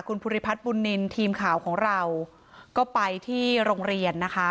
คุณภูริพัฒน์บุญนินทีมข่าวของเราก็ไปที่โรงเรียนนะคะ